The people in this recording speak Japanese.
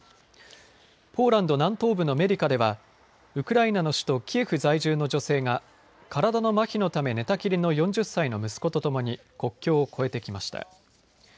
ポーランド南東部のメディカではウクライナの首都キエフ在住の女性が体のまひのため寝たきりの４０歳の息子とともに国境を越えてきました。